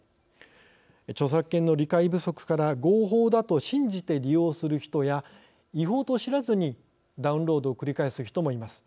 著作権の理解不足から合法だと信じて利用する人や違法と知らずにダウンロードを繰り返す人もいます。